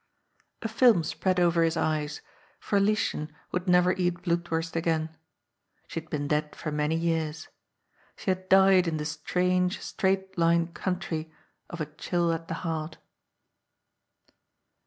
A film spread over his eyes, for Lieschen would never eat Blutwurst again. She had been dead for many years. She had died in the strange, straight lined country, of a chill at the heart.